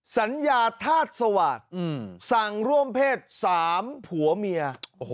สัญญาธาตุสวาสตร์สั่งร่วมเพศ๓ผัวเมีย